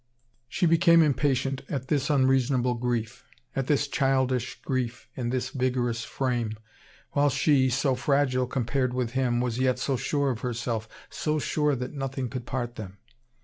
She became impatient at this unreasonable grief, at this childish grief in this vigorous frame, while she, so fragile compared with him, was yet so sure of herself, so sure that nothing could part them.